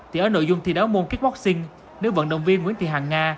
thì ở nội dung thi đấu môn kitoxing nữ vận động viên nguyễn thị hàng nga